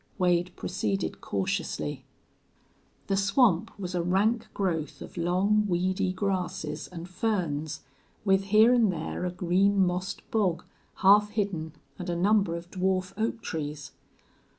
Wade proceeded cautiously. The swamp was a rank growth of long, weedy grasses and ferns, with here and there a green mossed bog half hidden and a number of dwarf oak trees.